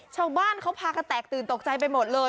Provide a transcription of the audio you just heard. ชาวบ้านเขาพากันแตกตื่นตกใจไปหมดเลย